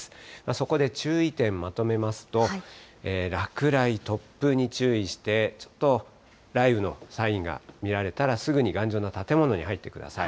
そこで注意点、まとめますと、落雷、突風に注意して、ちょっと雷雨のサインが見られたら、すぐに頑丈な建物に入ってください。